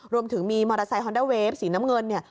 รวมถึงมีมอเตอร์ไซคอนด้าเวฟสีน้ำเงินเนี่ย